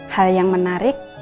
hal yang menarik